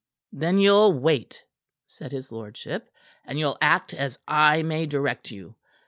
"Then you'll wait," said his lordship, "and you'll act as I may direct you.